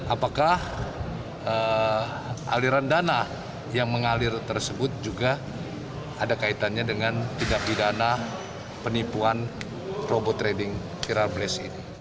apakah aliran dana yang mengalir tersebut juga ada kaitannya dengan tindak pidana penipuan robot trading viral blast ini